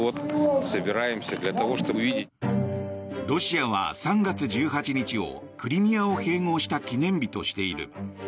ロシアは３月１８日をクリミアを併合した記念日としている。